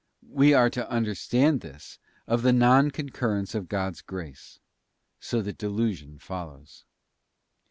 t We are to understand this of the non concurrence of God's grace, so that delusion follows.